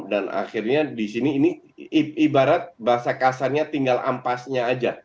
akhirnya di sini ini ibarat bahasa kasarnya tinggal ampasnya aja